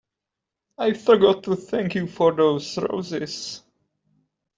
I forgot to thank you for those roses.